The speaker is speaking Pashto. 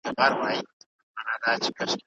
د ماشوم تبه باید ژر کنټرول شي.